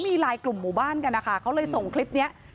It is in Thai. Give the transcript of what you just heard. ช่องบ้านต้องช่วยแจ้งเจ้าหน้าที่เพราะว่าโดนฟันแผลเวิกวะค่ะ